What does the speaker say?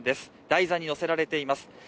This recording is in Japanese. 台座に載せられています。